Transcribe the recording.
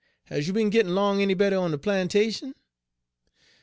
Has you be'n gittin' 'long any better on de plantation?'